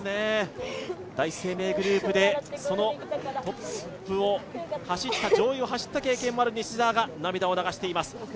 第一生命グループでトップを走った経験もある西澤が涙を流しています。